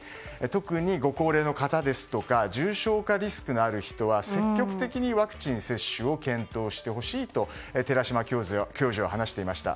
特にご高齢の方ですとか重症化リスクのある人は積極的にワクチン接種を検討してほしいと寺嶋教授は話していました。